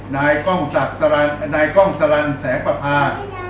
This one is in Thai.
๖นายก้องสรรค์สีแสงประพา